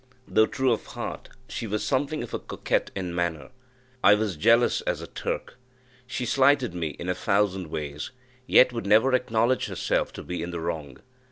Though true of heart, she was something of a coquette in manner; I was jealous as a Turk. She slighted me in a thousand ways, yet would never acknowledge herself to be in the wrong.